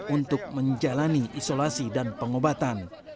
untuk menjalani isolasi dan pengobatan